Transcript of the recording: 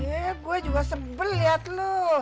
eh gue juga sebel liat lu